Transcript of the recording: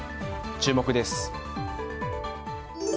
注目です。